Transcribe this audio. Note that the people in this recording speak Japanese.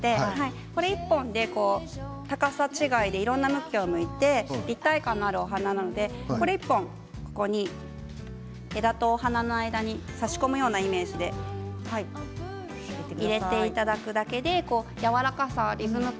これ１本で高さ違いでいろんな向きを向いて一体感のあるお花なのでここに１本枝と花の間に差し込むようなイメージで入れていただくだけでやわらかさ、リズム感